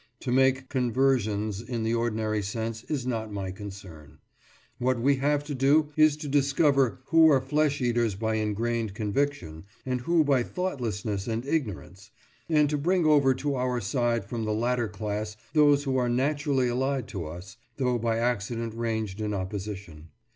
To make "conversions," in the ordinary sense, is not my concern. What we have to do is to discover who are flesh eaters by ingrained conviction, and who by thoughtlessness and ignorance, and to bring over to our side from the latter class those who are naturally allied to us, though by accident ranged in opposition.